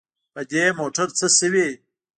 په دې موټر څه شوي.